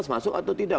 masuk atau tidak